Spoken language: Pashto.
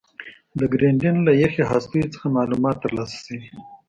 د ګرینلنډ له یخي هستو څخه معلومات ترلاسه شوي